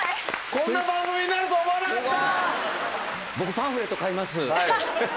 こんな番組になると思わなかった！